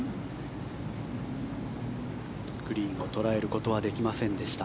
グリーンを捉えることはできませんでした。